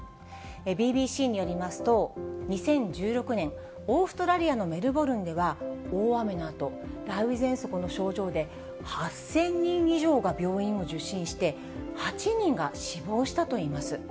ＢＢＣによりますと、２０１６年、オーストラリアのメルボルンでは大雨のあと、雷雨ぜんそくの症状で８０００人以上が病院を受診して、８人が死亡したといいます。